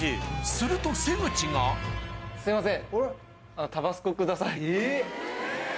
すると瀬口がすいません。